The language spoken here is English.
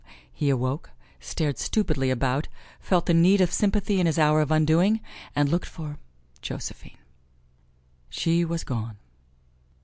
He awoke, stared stupidly about, felt the need of sympathy in his hour of undoing, and looked for Josephine. She was gone.